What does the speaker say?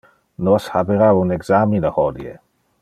Nos habera un examine hodie.